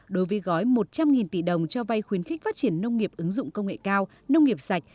đối với gói một trăm linh tỷ đồng cho vay khuyến khích phát triển nông nghiệp ứng dụng công nghệ cao nông nghiệp sạch